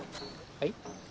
はい？